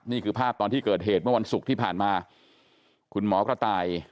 นี่คือภาพตอนที่เกิดเหตุเมื่อวันศุกร์ที่ผ่านมาคุณหมอกระต่าย